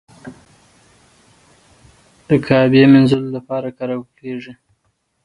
د کعبې مینځلو لپاره کارول کیږي.